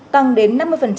tăng đến năm mươi